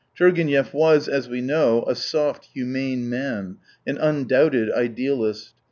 Turgenev was, as we know, a soft, " humane " man, an undoubted idealist.